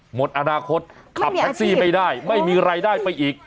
หมดอนาคตขับแท็กซี่ไม่ได้ไม่มีรายได้ไปอีก